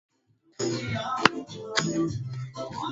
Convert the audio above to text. Mipango hii mingine inaweza kutumia Tiba za mikabala ya MawazoTabia